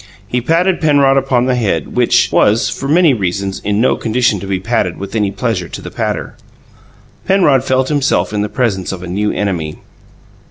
He patted Penrod upon the head, which was, for many reasons, in no condition to be patted with any pleasure to the patter. Penrod felt himself in the presence of a new enemy.